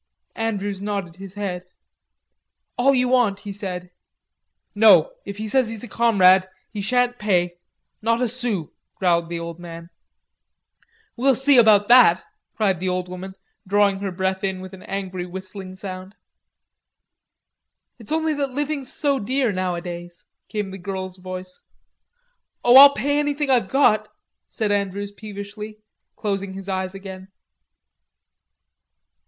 Andrews nodded his head. "All you want," he said. "No, if he says he's a comrade, he shan't pay, not a sou," growled the old man. "We'll see about that," cried the old woman, drawing her breath in with an angry whistling sound. "It's only that living's so dear nowadays," came the girl's voice. "Oh, I'll pay anything I've got," said Andrews peevishly, closing his eyes again.